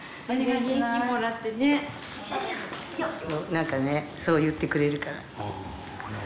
何かねそう言ってくれるから。